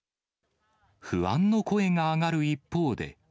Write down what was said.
不安の声が上がる一方で。